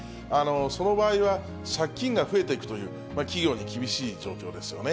その場合は借金が増えていくという、企業に厳しい状況ですよね。